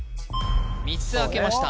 ３つ開けました